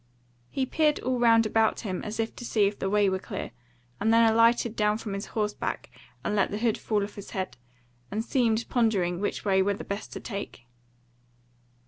He peered all round about him as if to see if the way were clear, and then alighted down from horseback and let the hood fall off his head, and seemed pondering which way were the best to take.